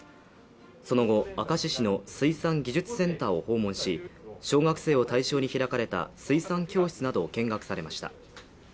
その後、明石市の水産技術センターを訪問し、小学生を対象に開かれた水産教室などを見学されました。